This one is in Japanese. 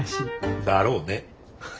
だろうね。